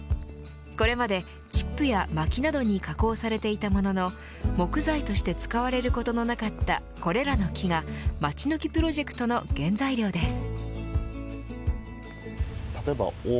これまでチップやまきなどに加工されていたものの木材として使われることのなかったこれらの木がマチノキ・プロジェクトの原材料です。